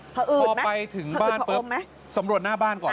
พอไปถึงบ้านปุ๊บสำรวจหน้าบ้านก่อน